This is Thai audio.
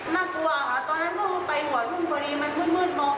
น่ากลัวอ่ะค่ะตอนนั้นก็รู้ไปหัวหนุ่มตัวนี้มันมืดมืดมอง